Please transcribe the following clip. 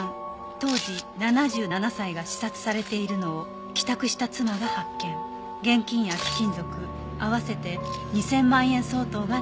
当時７７歳が刺殺されているのを帰宅した妻が発見」「現金や貴金属合わせて２０００万円相当が盗まれていた」